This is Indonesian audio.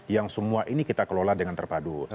yang semua ini kita kelola dengan terpadu